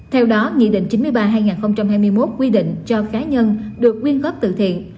theo đó nghị định chín mươi ba hai nghìn hai mươi một quy định cho khái nhân được nguyên góp tự thiện